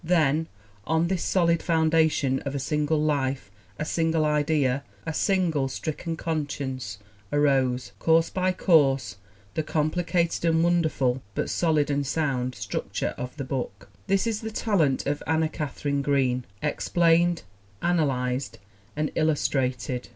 Then on this solid foundation of a single life, a single idea, a single stricken conscience arose, course by course, the complicated and wonderful (but solid and sound) structure of the book. That is the talent of Anna Katharine Green, ex plained, analyzed and illustrated.